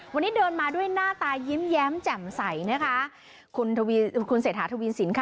วันนี้เดินมาด้วยหน้าตายิ้มแย้มแจ่มใสนะคะคุณทวีคุณเศรษฐาทวีสินค่ะ